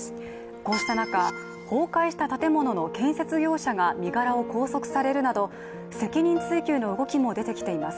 こうした中、崩壊した建物の建設業者が身柄を拘束されるなど、責任追及の動きも出てきています。